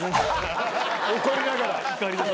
怒りながら？